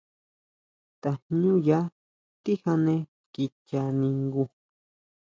Tajñúya tijane kicha ningu.